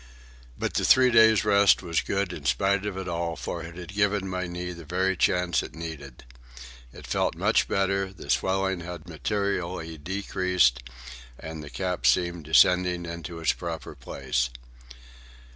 But the three days' rest was good in spite of it all, for it had given my knee the very chance it needed. It felt much better, the swelling had materially decreased, and the cap seemed descending into its proper place.